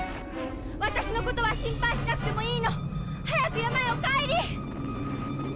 私のことは心配しなくてもいいの！早く山へお帰り！